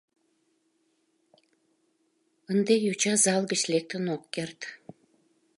Ынде йоча зал гыч лектын ок керт.